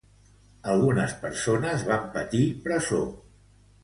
Algunes persones van patir presó.